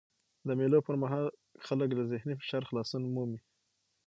د مېلو پر مهال خلک له ذهني فشار خلاصون مومي.